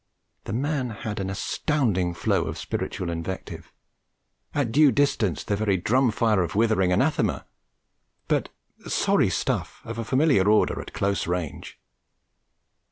The man had an astounding flow of spiritual invective, at due distance the very drum fire of withering anathema, but sorry stuff of a familiar order at close range.